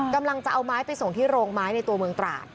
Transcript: กำลังจะเอาไม้ไปส่งที่โรงไม้ในตัวเมืองตราด